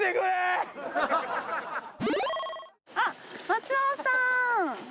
あっ松尾さん。